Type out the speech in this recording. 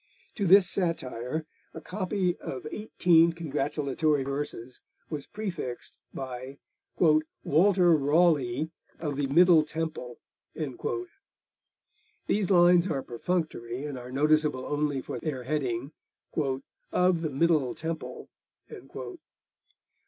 To this satire a copy of eighteen congratulatory verses was prefixed by 'Walter Rawely of the middle Temple.' These lines are perfunctory and are noticeable only for their heading 'of the middle Temple.'